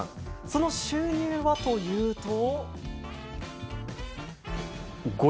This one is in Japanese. その収入はというと。